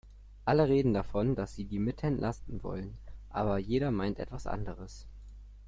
Alle reden davon, dass sie die Mitte entlasten wollen, aber jeder meint etwas anderes.